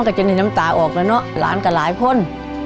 กระหลั่งตรงนั้นก็หลายคน